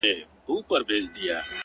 خداى خو دې هركله د سترگو سيند بهانه لري _